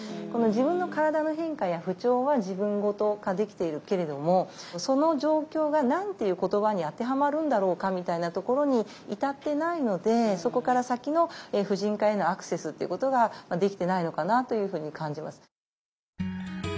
この自分の体の変化や不調は自分事化できているけれどもその状況が何ていう言葉に当てはまるんだろうかみたいなところに至ってないのでそこから先の婦人科へのアクセスっていうことができてないのかなというふうに感じます。